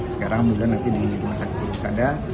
sekarang mudah nanti di masjid kudus ada